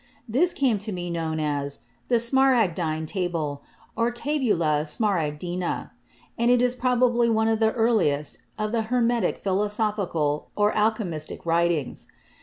This came to be known as the "Smaragdine Table," or "Tabula Smaragdina," and it is probably one of the earliest of the Hermetic philosophical or alchemistic writings.